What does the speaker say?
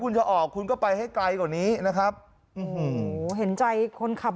คุณจะออกคุณก็ไปให้ไกลกว่านี้นะครับเห็นใจคนขับ